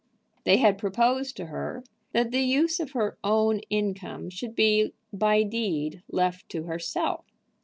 They had proposed to her that the use of her own income should be by deed left to herself.